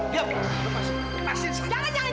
lepas dia pak lepas dia pak